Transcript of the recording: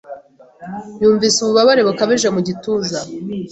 Yumvise ububabare bukabije mu gituza.